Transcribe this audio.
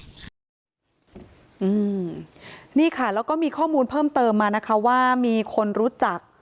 อืมนี่ค่ะแล้วก็มีข้อมูลเพิ่มเติมมานะคะว่ามีคนรู้จัก